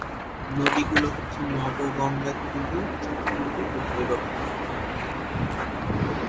নদীগুলো হচ্ছে নবগঙ্গা নদী, চিত্রা নদী ও ভৈরব নদ।